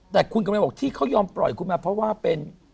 แต่คุณกำลังบอกที่เขายอมปล่อยคุณมาเพราะว่าเป็น